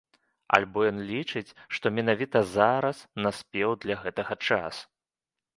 Альбо ён лічыць, што менавіта зараз наспеў для гэтага час.